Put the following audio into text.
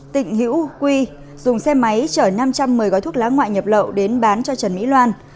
tịnh hữu quy dùng xe máy chở năm trăm một mươi gói thuốc lá ngoại nhập lậu đến bán cho trần mỹ loan